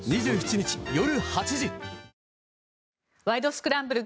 スクランブル」